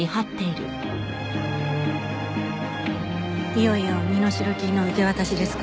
いよいよ身代金の受け渡しですかね？